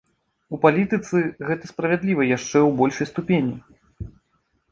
У палітыцы гэта справядліва яшчэ ў большай ступені.